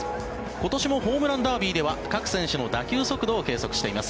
今年もホームランダービーでは各選手の打球速度を計測しています。